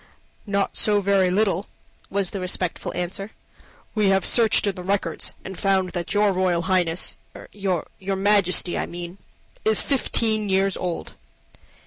"Not so very little," was the respectful answer. "We have searched in the records, and found that your Royal Highness your Majesty, I mean is fifteen years old."